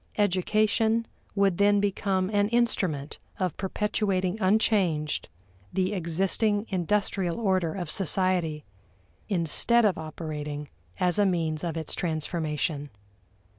Education would then become an instrument of perpetuating unchanged the existing industrial order of society, instead of operating as a means of its transformation.